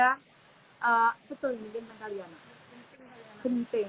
betul ini mungkin pak liana